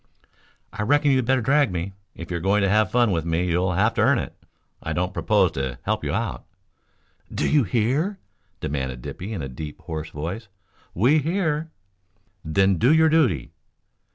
"I reckon you'd better drag me. If you're going to have fun with me you'll have to earn it. I don't propose to help you out." "Do you hear?" demanded Dippy in a deep, hoarse voice. "We hear." "Then do your duty!"